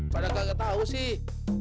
padahal kagak tau sih